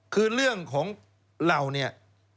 คือเรื่องของเราเนี่ย